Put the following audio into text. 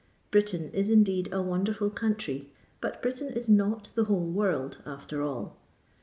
Britain is indeed a wonderful country; but Britain is not the whole world, after all.